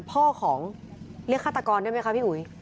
พ่อของเรียกฆาตกรได้ไหมคะพี่อุ๋ย